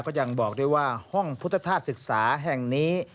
ก็ยังบอกได้ว่าห้องพุทธธาตุศึกษาแห่งนี้